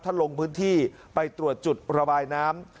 ลงพื้นที่ไปตรวจจุดระบายน้ำ